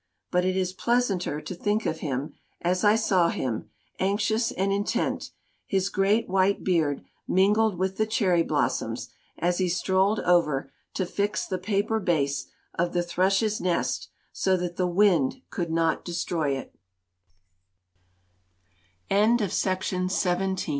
But it is pleasanter to think of him, as I saw him, anxious and intent, his great white beard mingled with the cherry blos soms, as he strolled over to fix the paper base of the thrush's nest so that the wind could n